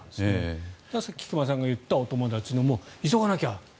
さっき菊間さんが言ったお友達の急がなきゃ！